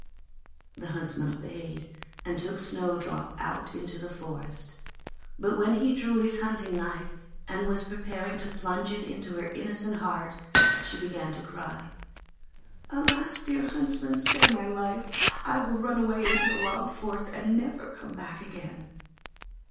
The Huntsman obeyed, and took Snowdrop out into the forest, but when he drew his hunting knife and was preparing to plunge it into her innocent heart, she began to cry: 'Alas! dear Huntsman, spare my life, and I will run away into the wild forest and never come back again.'